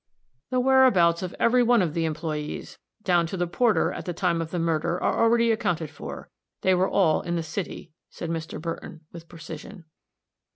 "The whereabouts of every one of the employees, down to the porter, at the time of the murder, are already accounted for. They were all in the city," said Mr. Burton, with precision.